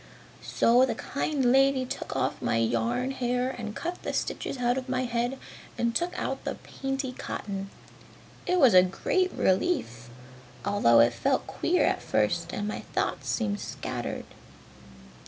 "So the kind lady took off my yarn hair and cut the stitches out of my head, and took out all the painty cotton. "It was a great relief, although it felt queer at first and my thoughts seemed scattered.